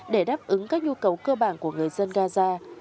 để đáp ứng các nhu cầu cơ bản của người dân gaza